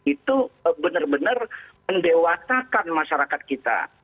itu benar benar mendewatakan masyarakat kita